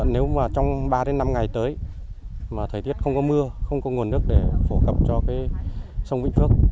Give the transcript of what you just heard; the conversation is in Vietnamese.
nếu trong ba năm ngày tới thời tiết không có mưa không có nguồn nước để phổ cập cho sông vĩnh phước